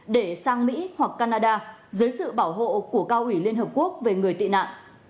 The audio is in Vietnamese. để sang mỹ hoặc canada dưới sự bảo hộ của cao ủy liên hợp quốc về người tị nạn